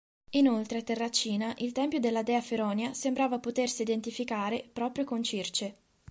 Inoltre a Terracina il tempio della dea Feronia sembra potersi identificare proprio con Circe.